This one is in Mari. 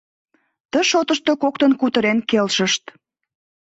Ты шотышто коктын кутырен келшышт.